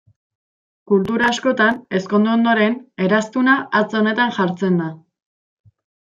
Kultura askotan ezkondu ondoren eraztuna hatz honetan jartzen da.